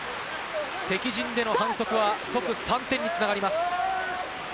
敵陣での反則は即３点に繋がります。